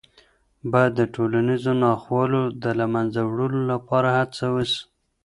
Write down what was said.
باید د ټولنیزو ناخوالو د له منځه وړلو لپاره هڅه وسي.